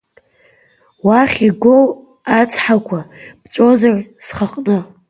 Уахь игоу ацҳақәа ԥҵәозар схаҟны!